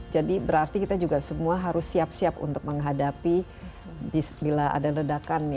jadi berarti kita juga semua harus siap siap untuk menghadapi bila ada redakan